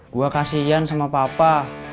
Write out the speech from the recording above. gua kasian sama papa